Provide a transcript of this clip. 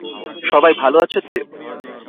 সবাই ভালো আছে তো?